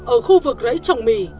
ở khu vực rẫy trồng mì